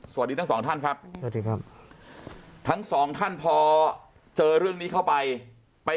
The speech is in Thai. สวัสดีทั้งสองท่านครับสวัสดีครับทั้งสองท่านพอเจอเรื่องนี้เข้าไปไป